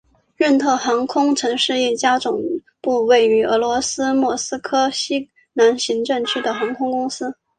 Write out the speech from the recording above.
任特航空曾是一家总部位于俄罗斯莫斯科西南行政区的航空公司。